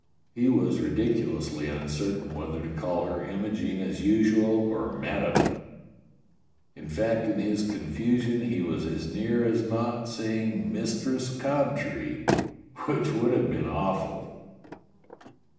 He was ridiculously uncertain whether to call her Imogene as usual, or Madame; in fact in his confusion he was as near as not saying Mistress Cobtree, which would have been awful.